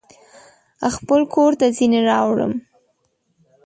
خپل کورته ځینې راوړم